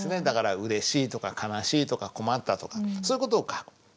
だから「うれしい」とか「悲しい」とか「困った」とかそういう事を書く。